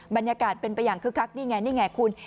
บรรยากาศเป็นไปอย่างคึกคักนี่ไงนี่ไงคุณ